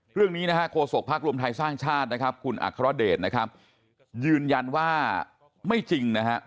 เรื่องนี้โฆษกภักดิ์รวมไทยสร้างชาติคุณอัครเดชยืนยันว่าไม่จริง